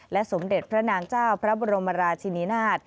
สมเด็จพระนางเจ้าพระบรมราชินินาศ